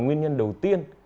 nguyên nhân đầu tiên